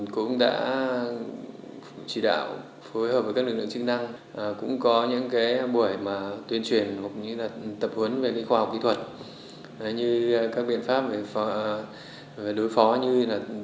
dùng các loại chức năng dùng các loại chức năng dùng các loại chức năng